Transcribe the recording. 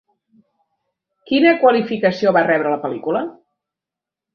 Quina qualificació va rebre la pel·lícula?